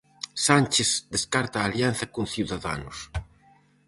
Sánchez descarta a alianza con Ciudadanos.